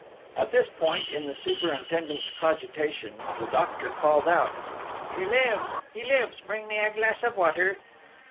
At this point in the superintendent's cogitations, the doctor called out: 'He lives! He lives! Bring me a glass of water!'